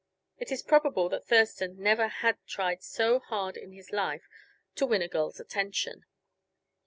It is probable that Thurston never had tried so hard in his life to win a girl's attention.